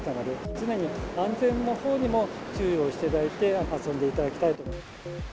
常に安全のほうにも注意をしていただいて、遊んでいただきたいと思います。